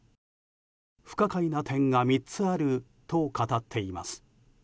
不可解な点が３つあると語っています。